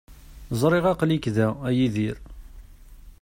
Ẓriɣ aql-ik da, a Yidir.